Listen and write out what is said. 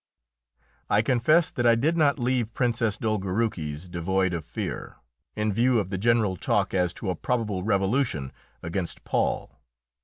I confess that I did not leave Princess Dolgoruki's devoid of fear, in view of the general talk as to a probable revolution against Paul.